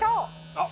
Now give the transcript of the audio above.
あっ！